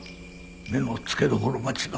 目の付けどころが違う。